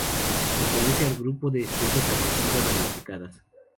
Pertenece al grupo de especies arbustivas ramificadas.